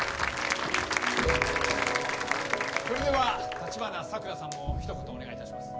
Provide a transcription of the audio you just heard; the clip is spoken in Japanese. それでは立花さくらさんもひと言お願いいたします。